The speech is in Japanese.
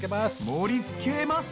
盛りつけます！